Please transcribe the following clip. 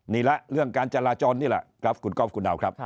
นี่แหละเรื่องการจราจรนี่แหละครับคุณก๊อฟคุณดาวครับ